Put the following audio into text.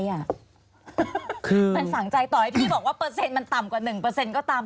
มันฝังใจต่อให้พี่บอกว่าเปอร์เซ็นต์มันต่ำกว่า๑ก็ตาม